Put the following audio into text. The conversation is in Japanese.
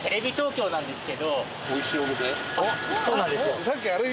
そうなんですよ。